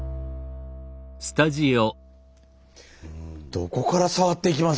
どこから触っていきます？